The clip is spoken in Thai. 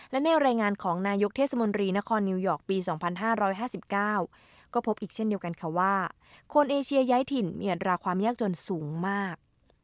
และในรายงานของนายกเทศมนตรีนครนิวยอร์กปี๒๕๕๙ก็พบอีกเช่นเดียวกันค่ะว่าคนเอเชียย้ายถิ่นมีอัตราความยากจนสูงมาก